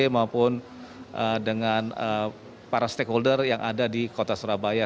maupun dengan para stakeholder yang ada di kota surabaya